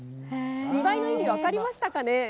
２倍の意味、分かりましたかね？